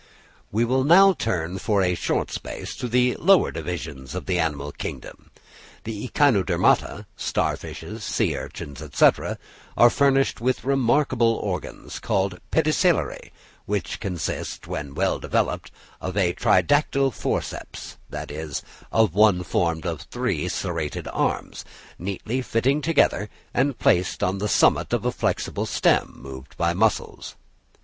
We will now turn for a short space to the lower divisions of the animal kingdom. The Echinodermata (star fishes, sea urchins, &c.) are furnished with remarkable organs, called pedicellariæ, which consist, when well developed, of a tridactyle forceps—that is, of one formed of three serrated arms, neatly fitting together and placed on the summit of a flexible stem, moved by muscles.